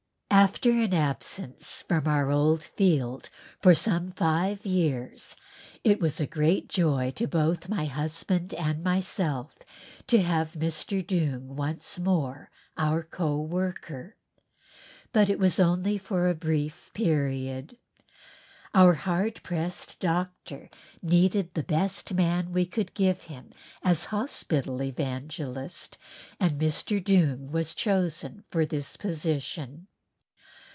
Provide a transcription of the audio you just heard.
_" After an absence from our old field for some five years it was a great joy to both my husband and myself to have Mr. Doong once more our co worker, but it was only for a brief period. Our hard pressed doctor needed the best man we could give him as Hospital Evangelist and Mr. Doong was chosen for this position.